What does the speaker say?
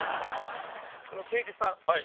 あの刑事さん